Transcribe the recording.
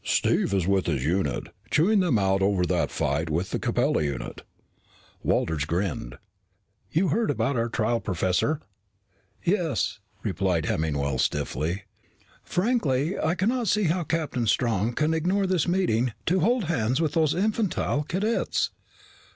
"Steve is with his unit, chewing them out over that fight with the Capella unit." Walters grinned. "You heard about our trial, Professor?" "Yes," replied Hemmingwell stiffly. "Frankly, I cannot see how Captain Strong can ignore this meeting to hold hands with those infantile cadets."